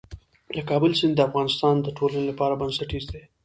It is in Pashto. د کابل سیند د افغانستان د ټولنې لپاره بنسټيز دی.